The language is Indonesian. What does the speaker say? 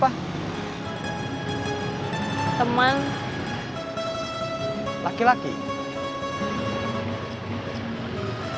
jadi penari latar